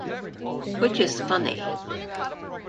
Which is funny.